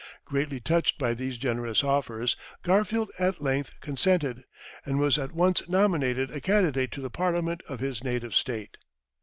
Greatly touched by these generous offers, Garfield at length consented, and was at once nominated a candidate to the parliament of his native State.